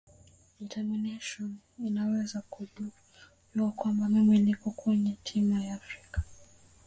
determination ya kuweza kujua kwamba mimi niko kwenye timu ya taifa